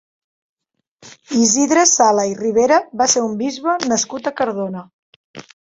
Isidre Sala i Ribera va ser un bisbe nascut a Cardona.